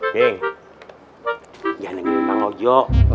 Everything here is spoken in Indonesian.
cing jangan ngeditang mang ojo